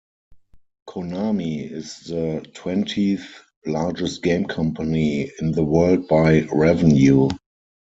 Konami is the twentieth-largest game company in the world by revenue.